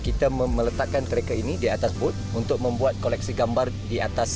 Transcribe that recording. kita meletakkan tracker ini di atas booth untuk membuat koleksi gambar di atas